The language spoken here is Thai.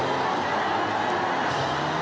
โอ้โอ้โอ้